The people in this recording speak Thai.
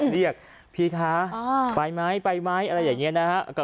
เรียกพี่คะไปไหมไปไหมอะไรอย่างนี้นะฮะ